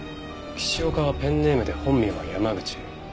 岸岡はペンネームで本名は山口。